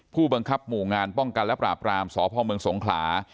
ผู้บังคับหมู่งานป้องกันและปราบรามสพเมืองสงขลา